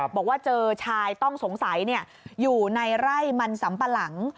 บอกว่าเจอชายต้องสงสัยอยู่ในไร่มันสัมปะหลัง